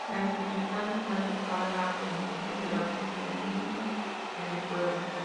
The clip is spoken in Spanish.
La institución está dedicada a la promoción del automovilismo en el pueblo.